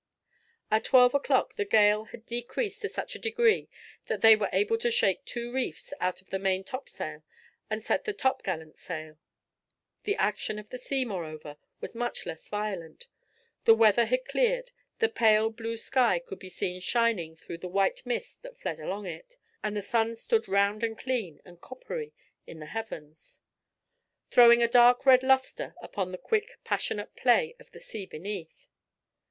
At twelve o'clock the gale had decreased to such a degree that they were able to shake two reefs out of the main topsail and set the topgallant sail. The action of the sea, moreover, was much less violent. The weather had cleared, the pale blue sky could be seen shining through the white mist that fled along it, and the sun stood round and clean and coppery in the heavens, throwing a dark red lustre upon the quick, passionate play of the sea beneath.